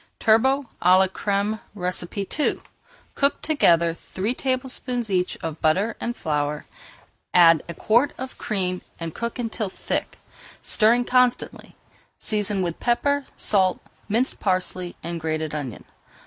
TURBOT À LA CRÈME II Cook together three tablespoonfuls each of butter and flour, add a quart of cream and cook until thick, stirring constantly. Season with pepper, salt, minced parsley, and grated onion.